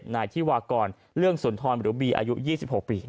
๗นายที่วาคลเรื่องสุนทรอบีอายุ๒๖ปี